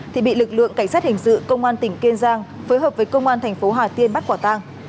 thì bị lực lượng cảnh sát hình sự công an tỉnh kiên giang phối hợp với công an thành phố hà tiên bắt quả tang